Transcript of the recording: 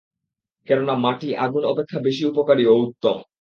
কেননা মাটি আগুন অপেক্ষা বেশি উপকারী ও উত্তম।